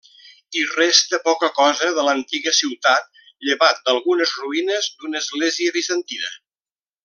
Hi resta poca cosa de l'antiga ciutat, llevat d'algunes ruïnes d'una església bizantina.